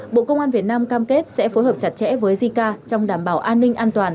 bộ công an việt nam cam kết sẽ phối hợp chặt chẽ với jica trong đảm bảo an ninh an toàn